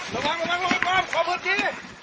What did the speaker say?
ระวังระวังระวังขอบพูดซี